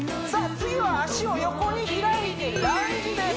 次は脚を横に開いてランジです